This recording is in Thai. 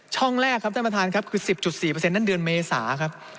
ช่องแรกครับท่านประธานครับคือ๑๐๔นั้นเดือนเมษาครับ